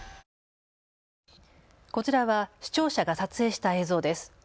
こちらは視聴者が撮影した映像です。